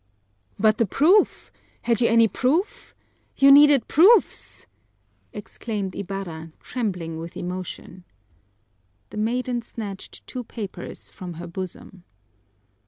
"But the proof! Had you any proof? You needed proofs!" exclaimed Ibarra, trembling with emotion. The maiden snatched two papers from her bosom.